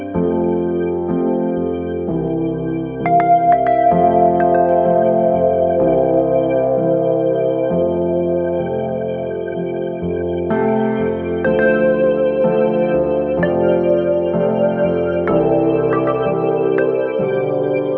อยู่กันเนี่ยเดี๋ยวละวัน